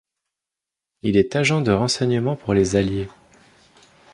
Il est agent de renseignements pour les alliés.